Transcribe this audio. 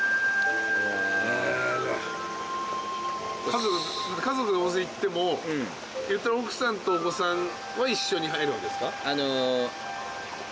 家族で温泉行っても奥さんとお子さんは一緒に入るわけですか？